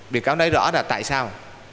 vị cáo nói rõ là tại sao